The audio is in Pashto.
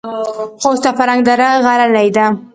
خوست او فرنګ دره غرنۍ ده؟